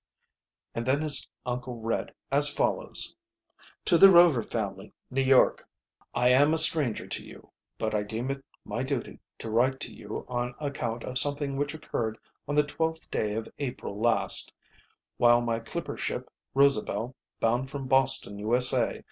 And then his uncle read as follows: "TO THE ROVER FAMILY, New York: "I am a stranger to you, but I deem it my duty to write to you on account of something which occurred on the 12th day of April last, while my clipper ship Rosabel, bound from Boston, U. S. A.